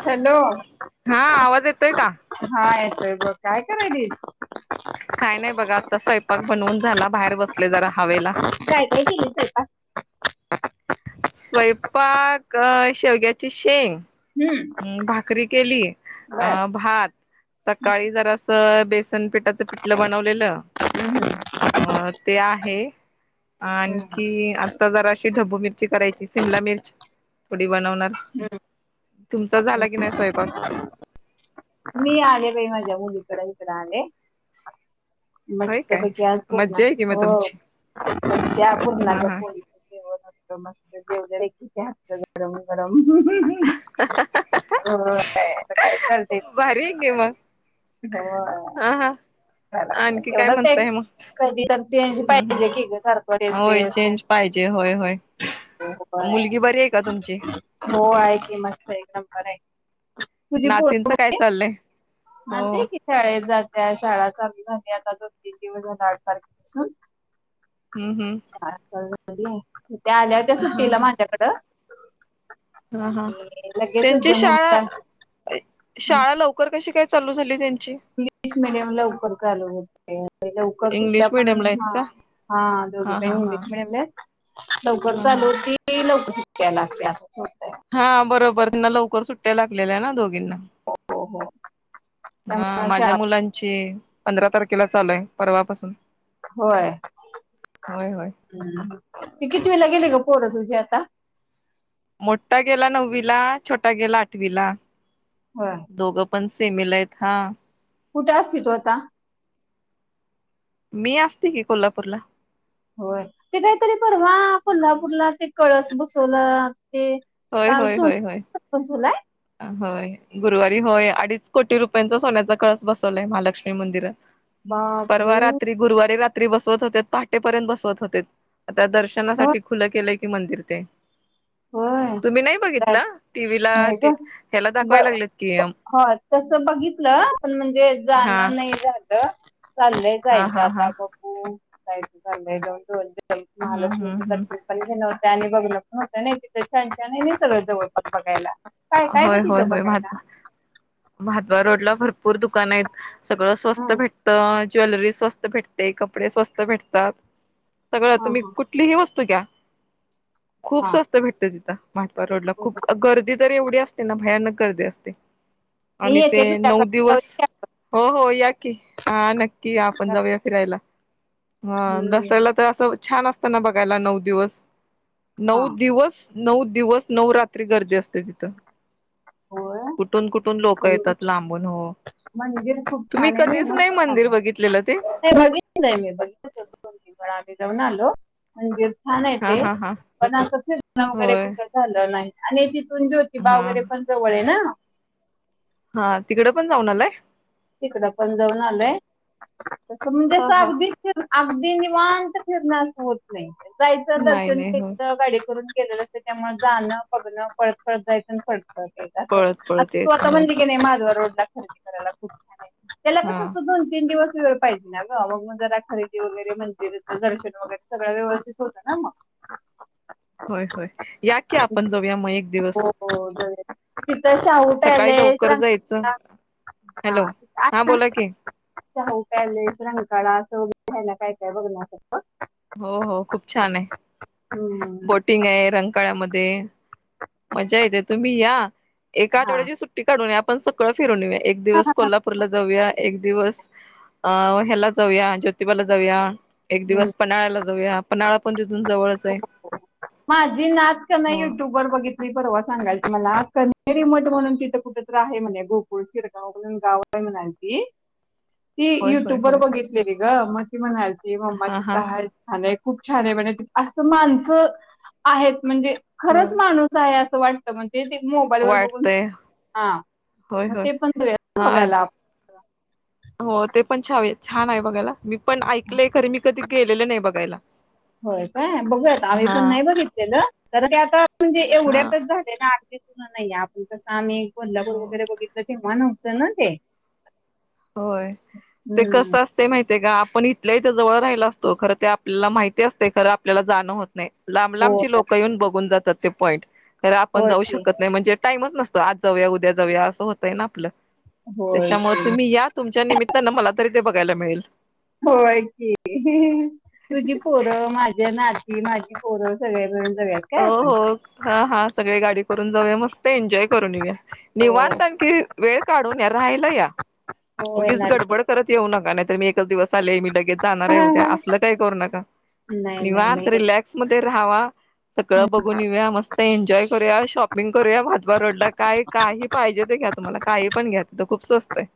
Hello हा आवाज येतोय का? हा ये ते ब काय करायलीस काय नाही बघा आता स्वयंपाक बनवून झाला बाहेर बसले जरा हवेला केली ते काय स्वयंपाक शेवग्याची शेंग हम्म म भाकरी केली अ बर भात सकाळी जरा अस बेसन पिठ त्यात ते आहेपिठलं बनवलेलं हम्म अ ते आहे. हम्म. आणखी आता जरा अशी ढबू मिरची करायची सिमला मिर्च थोडी बनवणार तुमचा झाला की नाही स्वयंपाक मी आले बाई माझ्या मुलीकड इकड आले. होय मस्त काय पैकी आज मज्जा आहे कि मग पुरणाच्या हो तुमची. पुरणाच्या हा पुरणाच्या हा पोळी हो मस्त मस्त जेवते की तिच्या हातचं गरम गरम हम्म्म हो हो काय आता चालते भारी आहे की मग हा हा होय आणखी काय म्हणतय मग कधी तर चेंज हम् हम् पाहिजे की ग सारखं तेच होय तेच चेंज पा म्हणजे जे होयहोय तेच होय मुलगी बरी आहे का तुमची हो आहे की मस्त एकदम बर आहे. [unintelligible] नातींचं काय दहावी चाललंय हो झाली आता दोन तीन दिवस झाले आठ तारखेपासून.. हम्म हम्म. शाळा चालू त्या आल्या होत्या सुट्टीला माझ्याकडं. हा हा लगेचच त्यांची ज्या शाळा मुलीला शाळा लवकर कशी काय? चा लू झाली. इंग्लिश मिीडियम लवकर चालू होते, लवकर इंग्लिश सुट्ट्या पन मिडियमला आहेत हा.. का हा दोघे हा प हा हा मुंदत मिळले लवकर हा हा चालूती लवकर ट्ट्या लागत्यात. हा बरोबर तिना लवकर सुट्ट्या लागलेल्या आहे ना दोघींना. हो हो हा त्यामुळे माझ्या शाळा मुलांची.. पंधरा तारखेला चालूय परवापासून. होय. होय होय ती कितवीला गेली ग? पोर तुझी आता. मोठा गेला नववी ला छोटा गेला आठवीला होय दोघं पण. सेमी ला आहेत. हा. कुठे असतील तू आता? मी असते की कोल्हापूरला. होय ते काहीतरी परवा हम्म कोल्हापूरला ते कळस बसवलं. ते होय काल होय होय होय [unintelligible] बसवलाय. होय गुरुवारी होय अडीच कोटी रुपयांचा सोन्याचा कळस बसवलाय महालक्ष्मी मंदिरात. बापरे परवा रात्री गुरुवारी रात्री बसवत होते पहाटेपर्यंत बसवत होते होय दर्शनासाठी खुल केलेय. मंदिर ते होय तुम्ही नाही काय बघितला टी व्ही ला. नाही ग ब हो तस बघितलं पण म्हणजे हा जाणं नाही झालं [unintelligible] चाललंय हा जायचं हा हा आता बगु [unintelligible] हम्म हम्म महालक्ष्मीचं दर्शन हम्म पण घेण होते्या आणि बघण.. नाही ति त्याच्याच्या नाही मी सगळं जवळपास बघायला. काय काय होय ग होय तिथं होय भात बघायला भातवा रोडला भरपूर दुकान आहेत. सगळं हा स्वस्त भेटत ज्वेलरी स्वस्त भेटते कपडे स्वस्त भेटतात. सगळं हा तुम्ही हा कुठलीही वस्तू घ्या. खूप हा स्वस्त भेटत तिथं महादवार रोडला खूप गर्दी तर एवढी असते ना भयानक गर्दीे असते मी आणि ते येते नऊ तुझ्याकडे दिवस.. जाऊया. हो हो या की हा नक्की आपण जाऊया फिरायला. हा हम्म दसऱ्याला तर असं छान असतना बघायला नऊ दिवस नऊ हां, दिवस. नऊ दिवस नऊ रात्री गर्दी असते तिथं. होय. कुठून कुठून लोक खरं. येतात लांबून हो. म्हणजे खूप तुम्ही छान आहे कधीच म नाही मस्त मंदिर बघितलेलं ते बघितलं नाही मी [unintelligible] पन आम्ही जाऊन आलो. छान आहे हा ते हा हा पण असं फिरण वगैरे होय कुठ झालं नाही आणि ति ज्योतिबा हा वगैरे पण जवळ आहे ना. हा तिकड पण जाऊन आलाय. तिकड पण जाऊन आलोय त म्हणजे ह ह अगदी अगदी निवांत फिरण्यास होत नाही जायचं नाही दर्शन नाही होय घेचं गाडी करून. के त्यामुळे जाणं बघणं पळत फळत जायचं आणि पळत पळत.. पळत पळत यायचं होय [inaudible] [inaudible] वळ हा पाहिजे ना ग मग मग जरा खरेदी वगैरे मंदिर दर्शन वगैरे सगळं व्यवस्थित होतं ना मग. रिकामा ऑडिओ होय, होय, या की आपण जाऊया, मग एक हो दिवस. हो बरोबर. तिथं शाहू सकाळी पॅलेस लवकर जायचं. रंकाळा हा हॅलो. तिथं हा आहे ना बोला की. शाहू पॅलेस, रंकाळा, असं वगैरे रा्यायला, काय काय बघण्यासारखं. हो हो खूप छान आहे. हम्म, बोटिंग आहे, रंगकाळ्यामध्ये मज्जा येते. तुम्ही या. एका हा आठवड्याची सुट्टी काढून या. आपण सगळं फिरून येऊया, एक दिवस कोल्हापूरला जाऊया. एक दिवस अ ह्याला जाऊया, ज्योतिबाला जाऊया. एक हम्म, दिवस पन्हाळ्याला जाऊया, पन्हाळा पण तिथून जवळच हो, आहे. हो. माझी नात क नाय हो युट्यूब वर बघित मी परवा सांगेन तुम्हाला ' कन्हेरी मठ' म्हणून तिथं कुठ तर आहे म्हणे, गोकुळ, शिरगाव, म्हणून गाव म्हनाली ती ती होय होय युट्यूब वर होय बघितलेली ग, मग ती म्हणायची मम्मा हा हा कुठं हाय सांगायचं. खूप छान आहे म्हणे, असं माणसं आहेत, म्हणजे हो खरंच माणूस आहे. वाटत. ते ते मोबाईल वर बघून, वाटतय हा, होय मग होय ते पण देऊ यात ना हा बघायला. हो. हो ते पण छावे, छान आहे बघायला, मी पण ऐकलंय खरे, मी कधी गेलेलं नाही बघायला. होय काय, बघूयात, आम्ही हा पण नाही बघितलेलं. तर ते आता म्हणजे हा एवढ्यातच झाले ना आठ नाही आपण कसं आम्ही हो कोल्हापूर वगैरे बघितलं, तेव्हा नव्हतं ना ते. होय. ते कस हम्म. असते माहिती ते का आपण इथल्या इथ जवळ राहिला असतो. खरं ते आपल्याला माहिती असते, खरं आपल्याला जाणं होत नाही. लांब लांबची होय लोकं येऊन बघून जातात, ते पॉईंट. कारण आपण होय जाऊ की शकत नाही म्हणजे टाईमच नसतो, आज जाऊया, उद्या जाऊया, असं होतय ना आपलं. होय. हा तुमच्या निमित्तानं मला तरी ते बघायला मिळेल. होय की, तुझी पोरं माझ्या ना ही माझी पोर सगळ्या मिळून जाऊयात काय हो आपण हो हा हा सगळी गाडी करून जाऊया. मस्त एन्जॉय करून येऊ या हो निवांत आणखी वेळ काढून या, राहायला या, हो उगीच येणार की गडबड करत येऊ नका. नाही मी एकच दिवस आले. मी लगेच जाणार आहे, उद्या. असलं काही करू नका. नाही नाही निवांत नाही येत. रिलॅक्स मध्ये राहावा, सगळं बघून येऊया, मस्त एन्जॉय करूया, शॉपिंग करूया, भातवा रोडला काय! काही पाहिजे ते घ्या तुम्हाला. काही पण घ्या खूप स्वस्त आहे.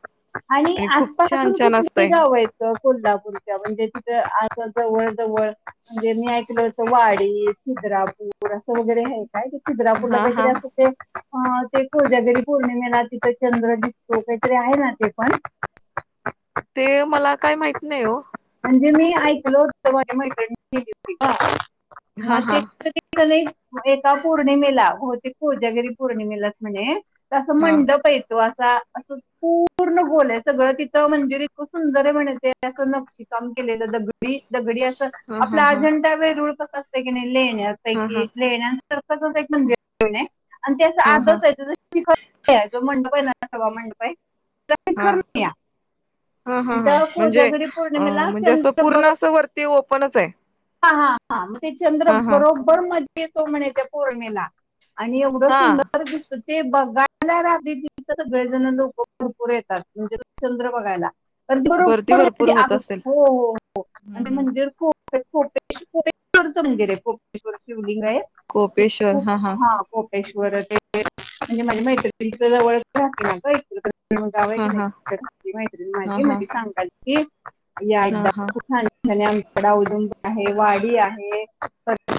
आणि आस खूप छान पासून छान कुठली असतंय गावं आहेत गं कोल्हापूरच्या? म्हणजे तिथ आसं जवळ जवळ म्हणजे मी ऐकलं होत. वाडी, छिद्रापूर असं वगैरे हाय. काय ते छीद्रापूरला हा काहीतरी हा अस ते ह ते कोजागिरी पौर्णिमेला तिथे चंद्र दिसतो, काहीतरी आहे ना ते. कोण? ते मला काय माहित नाही, ओ. म्हणजे मी ऐकल होत तिथं माझी मैत्रीण गेली होती ना हा हा ती [inaudible] एका पौर्णिमेला, बहुतेक कोजागिरी पौर्णिमेलाच म्हणे त असा हा मंडप येतो असं खूप पूर्ण गोल आहे सगळं. तिथं मंदिर इतकं सुंदर आहेम्हणे ते असं नक्षीकाम केलेलं नी दगडी असं हा हा आपला हा अजिंठा, वेरूळ कसा असते की नाही, हा हा लेण्यांपैकी, लेण्या एक मंदिर [inaudible] आणि ते असं हा हा आतच आहे सभा मंडप हा आहे [unintelligible] हा हा आणि हा त्या म्हणजे, कोजागिरी अ पौर्णिमेला म्हणजे असं, चंद्र पूर्ण बरो असं वरती ओपनच आहे. हा हा हा मग ते चंद्र हा हा बरोबर मध्ये येतो, म्हणे त्या पौर्णिमेला. आणि एवढं हा सुंदर दिसत ते बघायला राहतें तिथं सगळेजण लोक लोक भरपूर येतात. म्हणजे तो चंद्र बघायला. अ वरती बरोबर भरपूर होत असेल हो हो हो हम्म आणि हम्म मंदिर खूप कोपेश्वराचे मंदिर आहे ते. लिंग आहे ते हा कोपेश्वर हा मंदिर कोपेश्वरचे ते माझी मैत्रीण तिथेच राहते ना इचलकरंजी. गाव आहे हा आणि हा ती हा माझी मैत्रीण हा सांगाल ती या हा एकदाम हा खप छान छान आमच्याडदून आहे वाडी आहे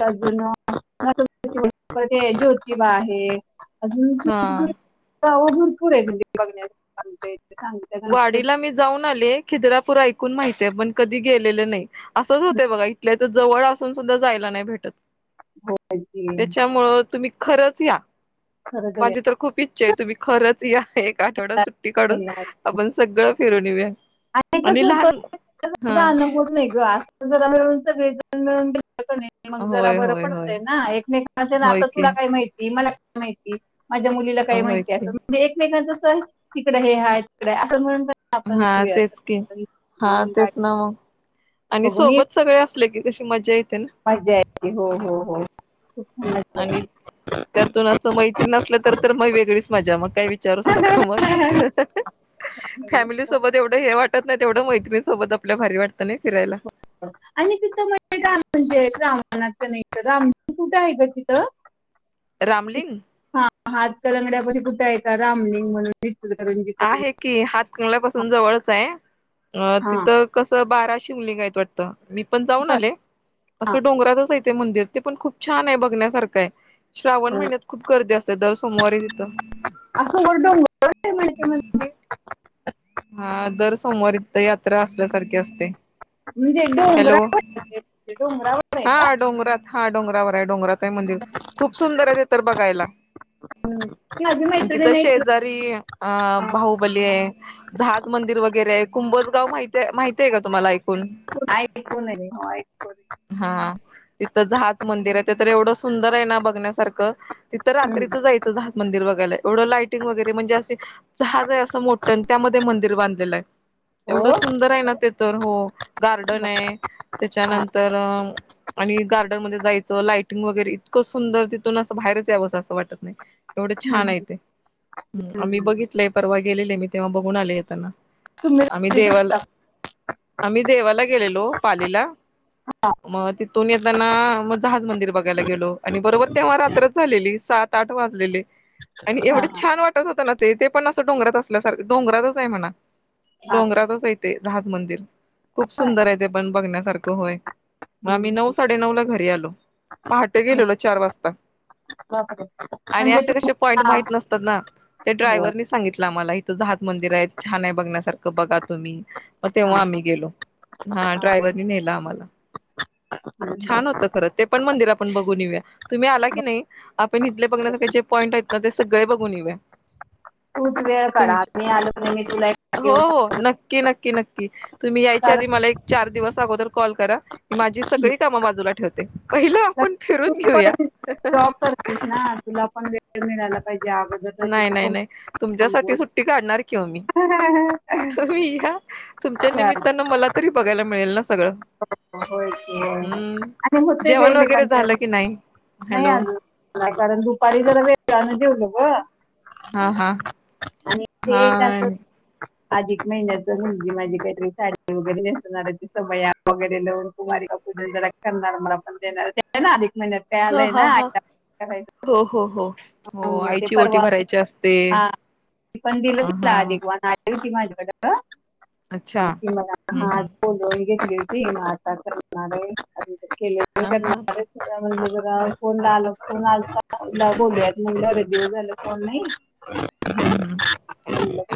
अजून मग ते जुने आणि जोतिबा आहे. आहे. हा. पूरे बघ. वाडीला मी जाऊन आले खिद्रापुर ऐक माहितीय पण कधी गेलेलं नाही असंच होत बघा इथल्या तर जवळ असून सुद्धा जायला नाही भेटत. त्याच्यामुळं तुम्ही खरंच या. खरं माझी तर खूप इच्छा आहे तुम्ही खरंच या एक आठवडात सुट्टी काढून आपण सगळं फिरून येऊया. आणि कस होत हा अन होत नाही ग अस जरा मिळून सगळे मिळून मग जरा होय बरं होय होय पडतंय ना एकमेकांचे ना होय आता की तुला काय माहिती मला काय माहिती माझ्या मुलीला काही होय माहिती आहे की म्हणजे एकमेकांचं सर तिकडं हे हा तिकडे असं म्हणून आपण हा जाऊया तेच की असं हा बघून तेच गाडी ना मग आणि सोबत सगळे असले की कशी मजा येत. मज्जा आहे हो हो हो खप आणि त्यातून असं मैत्रीण असेल तर मग वेगळीच मजा मग काय विचारूच नका. विचारू नका मग फॅमिली मस्त सोबत एवढ हे वाटत नाही. तेवढं मैत्रीणीसोबत भारी वाटतं आपल्याला आणि तिथं म्हणजे म्हणजा मनात नाही आमच कुठं आहे का तिथं. रामलिंग हा हात कलंगड्यापशी कुठे येत रामलिंग म्हणून इचलकरंजी पासून आहे की हात कंगल्यापासून जवळच आहे हा तिथं कसं. बारा शिमलींगायत वाटत मी पण जाऊन बर आले हा असं डोंगरातच ते मंदिर ते पण खूप छान आहे बघण्यासारखं आहे श्रावण महिन्यात खूप गर्दी असते दर सोमवारी तिथं. असंत समोर डोंगरे म्हणतात म्हणे. हा दर सोमवारी तिथे यात्रा असल्यासारखे असते. म्हणजे हॅलो डोंगरा म्हणजे डोंगरावर आहे का हा डोंगरात हा. डोंगरावर डोंगरात आहे मंदिर खूप सुंदर आहे बघायला. ती माझी आणि मैत्रीण तिथं नाही शेजारी अं भाहुबली आहे. नाथ मंदिर वगैरे कुंभजगाव मा माहती आहे का तुम्हाला ऐकून आहे हो, ऐकून आहे. हा तिथात मंदिर आहे. तर एवढं सुंदर आहे ना बघण्यासारखं तिथं हम्म. रात्रीच जायचं दात मंदिर बघायला. एवढं लायटिंग वगैरे म्हणजे असे जहाज आहे असं मोठतं त्यामध्ये मंदिर बांधलेलं आहे. हो एवढं सुंदर आहे ना ते तर हो गार्डन आहे हा. त्याच्यानंतर आणि गार्डन मध्ये जायचं लायटिंग वगैरे इतकं सुंदर तिथून असं बाहेरच यावं असं असं वाटत नाही. एवढे छान हम्म. आहे ते आम्ही बघितलंय परवा गेलेले आहे मी तेव्हा बघून आलेय त्यांना तु मता आम्ही देवाला गेलेलो पालीला मग तिथून येत. त्यांना मग दहाज मंदिर बघायला गेलो आणि बरोबर तेव्हा रात्रच झालेली सात आठ वाजलेले आणि हा, एवढे हा, छान वाटरत होत ना ते ते पण असं डोंगरात असत. आपल्यासारख डोंगरातच आहे म्हणा हा. डोंगरातच आहे तेे दज मंदिर खूप सुंदर आहे ते पण बघण्यासारखं होय मग आम्ही हम्म. नऊ साडेनऊ ला घरी आलो. पहाटे गेलेलो चार वाजता. बापरे. आणि म्हणजे असशे कसे पॉइंट तुम्हाला हा. माहित नसतात ना ते हो. ड्रायव्हर सांगितले. तेजहात मंदिर आहे ते छान आहे बघण्यासारखं बघा तुम्ही म हा. तेव्हा आम्ही गेलो. हा ड्रायव्हरनी नेल आम्हाला [inaudible] छान होतं खरं ते पण मंदिर आपण बघून येऊया. तुम्ही आला की नाई आपण इथले बघण्यासारखे जे पॉईंट आहेत त ते सगळे बघून येऊ या. तूच वेळ काढ आत मी आलो की नाय मी तुला एकट क्की नक्की नक्की तुम्ही यायच्या आधी मला एक चार दिवस अगोदर कॉल करा. मी माझी सगळी काम बाजूला ठेवते पहिलं आपण तू फिरून घेऊया. पण जॉब कर [unintelligible] तुला पण वेळ मिळाला पाहिजे अगोदर तिथं कोणं [unintelligible] येणार की ओ मी तुम्ही या तुमच्या निमिततानं मला तरी बघायला मिळेल ना सगळं होय की होय. हम्म आणि होते ग जेवण वगैरे एकमेकांच्या झालं की नाई. नाही अजून नाय कारण दुपारी जरा वेगान जेवलो ग हा हा आणि ते हा एक असं आणि अधिक महिन्याच म्हणजी माझी काहीतरी साडी वगैरे नेसणार आहे सवय वगैरे लावून कुमारी म्हणून जरा करणार मला पण देणार ना अधिक महिन्यात काय ह आलंय हा ना हा आता हो हो हो हो ते आईची ओटी परवा भरायची असते हा ते पण दिलं अ तिला हा अधिक वाण आली होती माझ्याकड अच्छा म तिला [unintelligible] हम्म हाच हम्म बोललो मी घेतली होती म आता कधी पण आलाय हा हा [unintelligible] म्हणजे बघा फोन ला आल फोन आता बोलूयात म्हणलं लय दिवस झालेत फोन नई. हम्म हम्म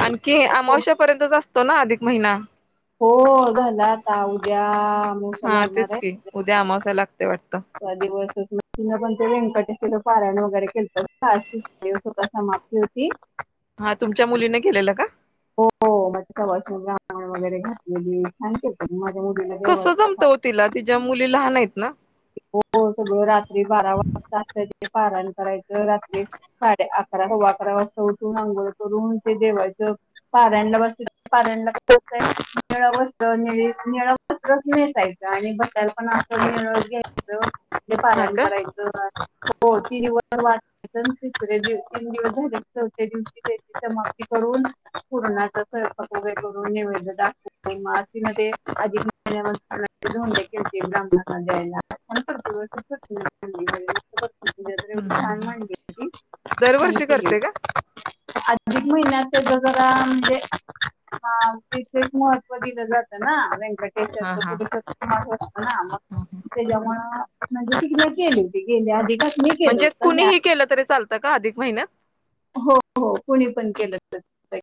आणखी हो- अमावश्यापर्यंतच असतो ना अधिक महिना हो झाल आता उद्या अमावस्या हा तेच की उद्या आमावश्या लागतय वाटतय. त्या दिवस तिन पण ते व्यंकटचं पारायण वगैरे केलत [unintelligible] सुख समाप्ती होती. हा तुमच्या मुलीने केलेलं का? हो म ती सवसानी वगैरे घातलेली छान केलत तिनी मठ कस जमत ओ तिला तिच्या मुली लहान आहेत ना हो. हो सगळ रात्री बारा वाजता अस पाराण करायच रात्री साडे अकरा सवा अकरा उठून आघोळ करून ते देवायचं पारायणला बसली पारायन [unintelligible] निळा वस्त्र निळी निळ वस्त्रच नेसायचं आणि बसयला पण अस निळचं घाय [unintelligible] ते हा पारायण का करायच हो तीन दिवस वाचायचं आणि तिसऱ्या दिव तीन दिवस झालं की चौथ्या दिवशी समाप्ती करून पुरणाचा स्वयंपाक वगैरे करून नैवेद्य दाखवून म आज तिनं ते अधिक महिन्यात [unintelligible] ते धोंडे केलते जम्याना द्यायला नंतर [unintelligible] एवढी हम्म हम्म छान हम्म. मांडली होती छान दरवर्षी केली करते का अधिक महिन्यात जरा म्हणजेे हा विशेष महत्व दिलं जात ना वंकट हा हा [unintelligible] म्हणजे तिनं केलंय ते गेल्या अधिक पण मी केलं म्हणजे होत ह्या कुणीही केलं तरी चालतं का अधिक महिन्यात? हो हो कुणी पण केलं [inaudible]